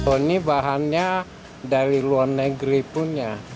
oh ini bahannya dari luar negeri punya